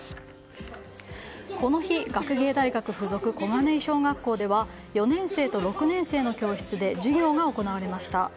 この日学芸大学附属小金井小学校では４年生と６年生の教室で授業が行われました。